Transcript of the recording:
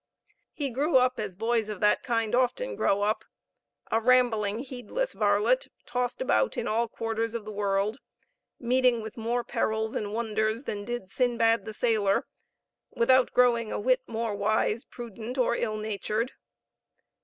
He grew up as boys of that kind often grow up, a rambling, heedless varlet, tossed about in all quarters of the world, meeting with more perils and wonders than did Sinbad the Sailor, without growing a whit more wise, prudent, or ill natured.